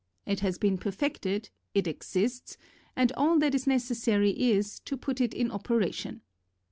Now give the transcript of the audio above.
It has been perfected, it exists, and all that is necessary is to put it in operation.